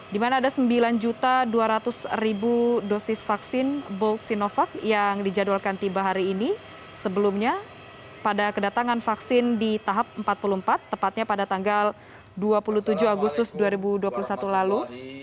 di mana ada sembilan dua ratus dosis vaksin boot sinovac yang dijadwalkan tiba hari ini sebelumnya pada kedatangan vaksin di tahap empat puluh empat tepatnya pada tanggal dua puluh tujuh agustus dua ribu dua puluh satu lalu